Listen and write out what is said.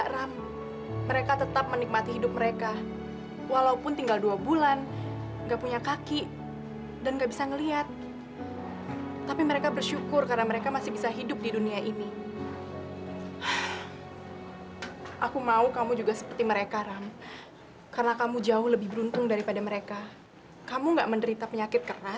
sampai jumpa di video selanjutnya